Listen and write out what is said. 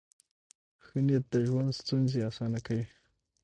ښه نیت د ژوند ستونزې اسانه کوي.